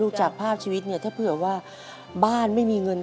จากภาพชีวิตเนี่ยถ้าเผื่อว่าบ้านไม่มีเงิน